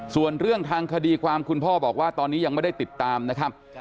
ส่วนเรื่องทางคดีความคุณพ่อบอกว่าตอนนี้ยังไม่ได้ติดตามนะครับ